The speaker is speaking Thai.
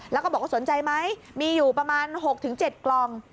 แล้วก็บอกว่าสนใจไหมมีอยู่ประมาณ๖๗กล่อง